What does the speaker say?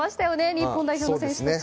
日本代表の選手たち。